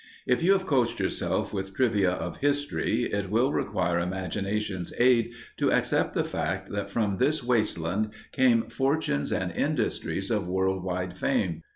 If you have coached yourself with trivia of history it will require imagination's aid to accept the fact that from this wasteland came fortunes and industries of world wide fame.